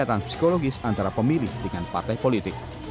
pendekatan psikologis antara pemilih dengan partai politik